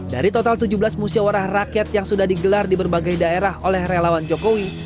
dari total tujuh belas musyawarah rakyat yang sudah digelar di berbagai daerah oleh relawan jokowi